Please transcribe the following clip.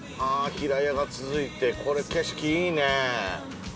平屋が続いてこれ景色いいね。